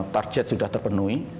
target sudah terpenuhi